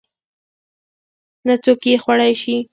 نه څوک يې خوړى نشي.